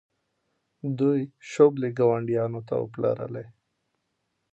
دوی شوبلې ګاونډیانو ته وپلورلې.